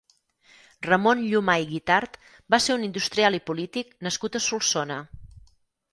Ramon Llumà i Guitart va ser un industrial i polític nascut a Solsona.